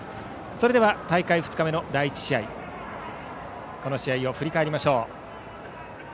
それでは大会２日目の第１試合この試合を振り返りましょう。